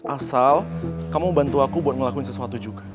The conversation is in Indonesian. asal kamu bantu aku buat ngelakuin sesuatu juga